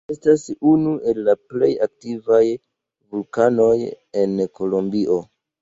Ĝi estas unu el la plej aktivaj vulkanoj en Kolombio.